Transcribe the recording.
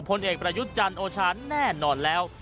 ผลเอกประยุทธ์จันทร์โอชาแน่นอนแล้ว